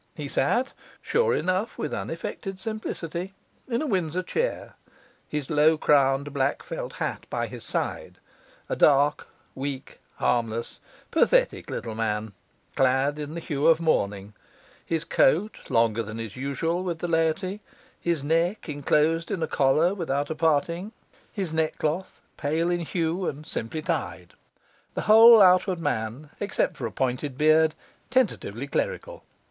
He sat (sure enough with 'unaffected simplicity') in a Windsor chair, his low crowned black felt hat by his side; a dark, weak, harmless, pathetic little man, clad in the hue of mourning, his coat longer than is usual with the laity, his neck enclosed in a collar without a parting, his neckcloth pale in hue and simply tied; the whole outward man, except for a pointed beard, tentatively clerical.